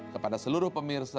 kepada seluruh pemirsa